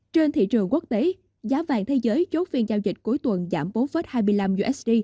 trên thị trường quốc tế giá vàng thế giới chốt phiên giao dịch cuối tuần giảm bốn hai mươi năm usd